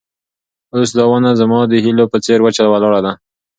اوس دا ونه زما د هیلو په څېر وچه ولاړه ده.